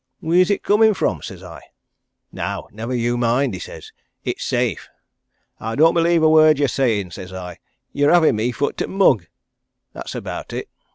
'Wheer's it coomin' from?' says I. 'Now, never you mind,' he says. 'It's safe!' 'I don't believe a word you're sayin',' says I. 'Ye're havin' me for t' mug! that's about it.'